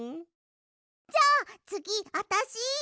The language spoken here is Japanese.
じゃあつぎあたし！